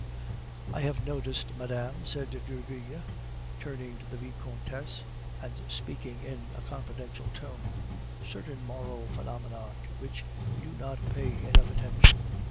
"I have noticed, madame," said Derville, turning to the Vicomtesse, and speaking in a confidential tone, "certain moral phenomena to which we do not pay enough attention.